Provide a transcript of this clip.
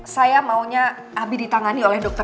saya maunya abi ditangani oleh dokter